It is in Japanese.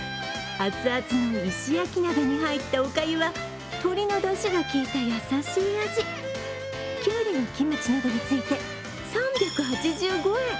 熱々の石焼き鍋に入っておかゆは鶏のだしがきいた優しい味きゅうりのキムチなどがついて３８５円。